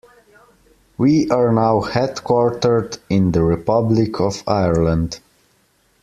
We are now headquartered in the Republic of Ireland.